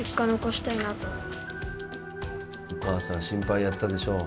お母さん心配やったでしょう。